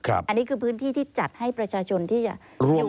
อันนี้คือพื้นที่ที่จัดให้ประชาชนที่จะอยู่